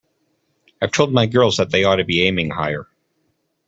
I've told my girls that they ought to be aiming higher.